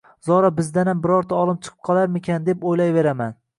Zora bizdanam bironta olim chiqib qolarmikin deb o‘ylayveraman.